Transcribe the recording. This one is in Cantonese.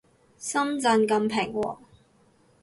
深圳咁平和